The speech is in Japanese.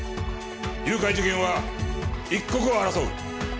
誘拐事件は一刻を争う。